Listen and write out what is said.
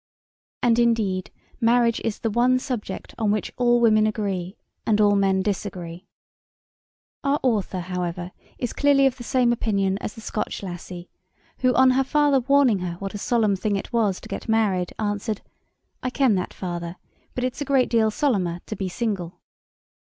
And, indeed, marriage is the one subject on which all women agree and all men disagree. Our author, however, is clearly of the same opinion as the Scotch lassie who, on her father warning her what a solemn thing it was to get married, answered, 'I ken that, father, but it's a great deal solemner to be single.'